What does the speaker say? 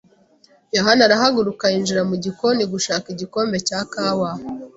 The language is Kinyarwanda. yohani arahaguruka yinjira mu gikoni gushaka igikombe cya kawa.